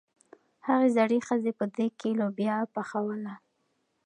هغې زړې ښځې په دېګ کې لوبیا پخولې.